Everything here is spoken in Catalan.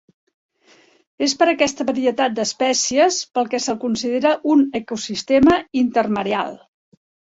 És per aquesta varietat d'espècies pel que se'l considera un ecosistema intermareal.